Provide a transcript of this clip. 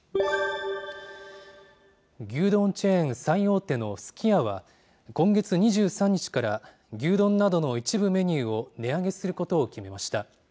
牛丼チェーン最大手のすき家は、今月２３日から、牛丼などの一部メニューを値上げすることを決めました。